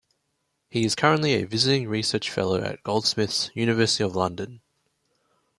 He is currently a Visiting Research Fellow at Goldsmiths, University of London.